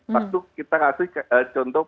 pas itu kita kasih contoh